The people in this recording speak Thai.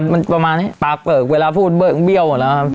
อ๋อมันประมาณปากเปลือกเวลาพูดเบี้ยวหมดแล้วครับ